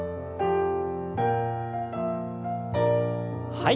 はい。